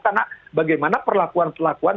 karena bagaimana perlakuan perlakuan